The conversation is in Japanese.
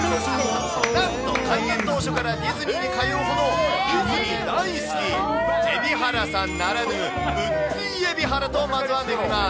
なんと開園当初からディズニーに通うほどディズニー大好き、蛯原さんならぬ、ウッディ蛯原とまずは巡ります。